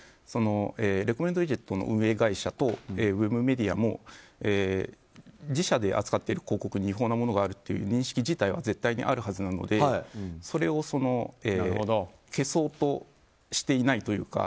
レコメンドウィジェットの運営会社とウェブメディアも自社で扱っている広告に違法なものがあるという認識自体は絶対にあるはずなのでそれを消そうとしていないというか。